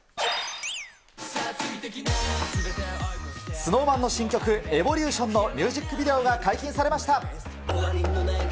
ＳｎｏｗＭａｎの新曲、エボリューションのミュージックビデオが解禁されました。